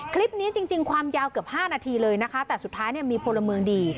คลิปนี้จริงความยาวเกือบ๕นาทีเลยนะคะแต่สุดท้ายเนี่ยมีพลเมืองดี